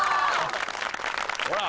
ほら。